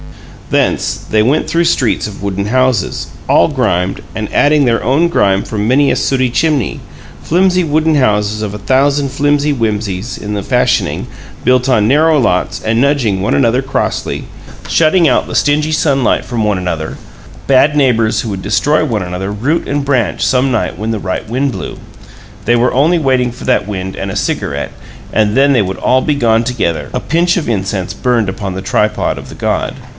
Thence they went through streets of wooden houses, all grimed, and adding their own grime from many a sooty chimney; flimsey wooden houses of a thousand flimsy whimsies in the fashioning, built on narrow lots and nudging one another crossly, shutting out the stingy sunlight from one another; bad neighbors who would destroy one another root and branch some night when the right wind blew. They were only waiting for that wind and a cigarette, and then they would all be gone together a pinch of incense burned upon the tripod of the god.